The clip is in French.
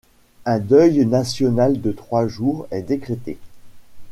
Un deuil national de trois jours est décrété.